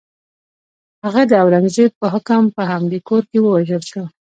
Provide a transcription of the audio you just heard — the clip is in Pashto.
هغه د اورنګزېب په حکم په همدې کور کې ووژل شو.